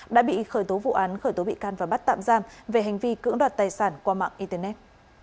đã bị khởi tố vụ án khởi tố bị can và bắt tạm giam về hành vi cưỡng đoạt tài sản qua mạng internet